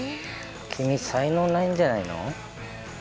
君才能ないんじゃないの？